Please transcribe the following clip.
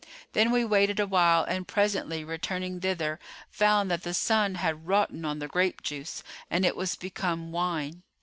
Then we waited awhile and presently returning thither, found that the sun had wroughten on the grape juice and it was become wine.